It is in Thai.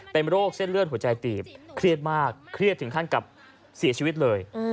เป็นโรคเส้นเลือดหัวใจตีบเครียดมากเครียดถึงขั้นกับเสียชีวิตเลย